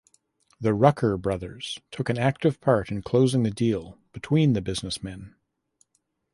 The Rucker brothers took an active part in closing the deal between the businessmen.